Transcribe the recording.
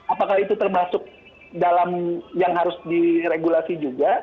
apakah itu termasuk dalam yang harus diregulasi juga